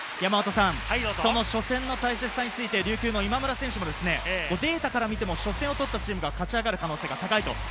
その初戦の大切さに対して、今村選手もデータから見ても、初戦を取ったチームが勝ち上がる確率が高い。